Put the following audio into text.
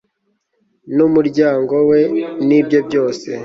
n'umuryango we, n'ibye byose